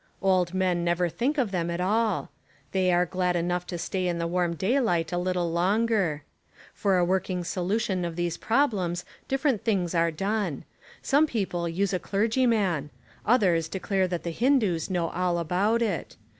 Old men never think of them at all. They are glad enough to stay in the warm daylight a little longer. For a working solution of these problems different things are done. Some people use a clergy man. Others declare that the Hindoos know all about it.